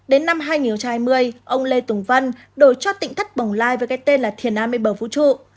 đến năm hai nghìn hai mươi ông lê tùng vân đổi cho tỉnh thất bồng lai với cái tên là thiền nam mây bờ vũ trụ